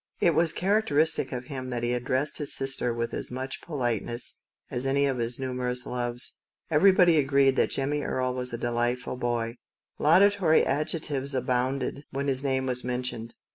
It was characteristic of him that he addressed his sister ^with as much politeness 188. MART GOES OUT ON A WET DAY. 189 as any of his rather numerous loves. Every body agreed that Jimmie Erie was a delight ful boy. Laudatory adjectives abounded when his name was mentioned.